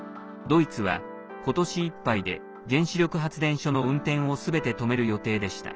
ドイツは、ことしいっぱいで原子力発電所の運転をすべて止める予定でした。